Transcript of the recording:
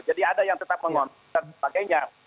jadi ada yang tetap mengontrol dan sebagainya